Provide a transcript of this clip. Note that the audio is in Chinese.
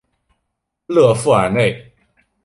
勒富尔内。